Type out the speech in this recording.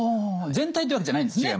全体ってわけじゃないんですね。